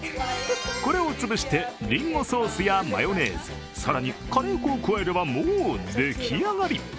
これを潰して、りんごソースやマヨネーズ、更にカレー粉を加えれば、もう出来上がり。